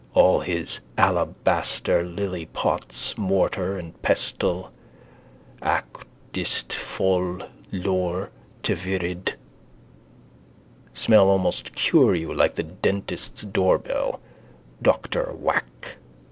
All his alabaster lilypots. Mortar and pestle. Aq. Dist. Fol. Laur. Te Virid. Smell almost cure you like the dentist's doorbell. Doctor Whack.